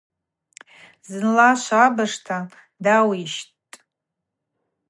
Зынла швабыжта дауищтитӏ.